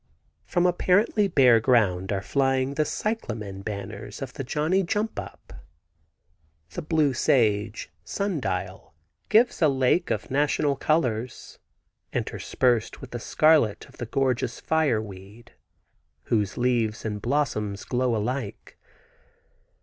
From apparently bare ground are flying the cyclamen banners of the johnny jump up. The blue sage (sun dial) gives a lake of national colors, interspersed with the scarlet of the gorgeous fireweed, whose leaves and blossoms glow alike.